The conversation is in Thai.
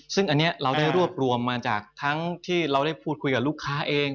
ซึ่งอันนี้เราได้รวบรวมมาจากทั้งที่เราได้พูดคุยกับลูกค้าเอง